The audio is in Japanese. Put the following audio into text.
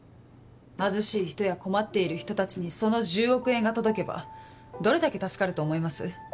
貧しい人や困っている人たちにその１０億円が届けばどれだけ助かると思います？